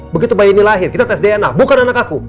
begitu bayi ini lahir kita tes dna bukan anak aku